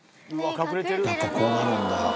やっぱりこうなるんだ。